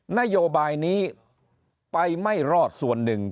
นโยบายนี้ไปไม่รอดส่วนหนึ่ง